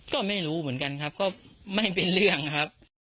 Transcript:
ก็ไม่รู้เหมือนกันครับก็ไม่เป็นเรื่องครับ